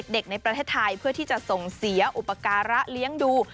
ในประเทศไทยเพื่อที่จะส่งเสียอุปการะเลี้ยงดู